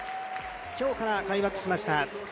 今日から開幕しました。